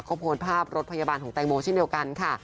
ก็โพสต์ภาพรถพยาบาลของแตงโมเช่นเดียวกันค่ะ